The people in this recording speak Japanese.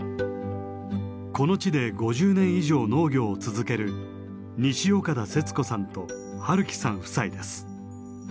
この地で５０年以上農業を続ける西岡田節子さんと治豈さん夫妻です。